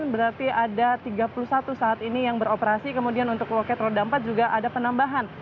berarti ada tiga puluh satu saat ini yang beroperasi kemudian untuk loket roda empat juga ada penambahan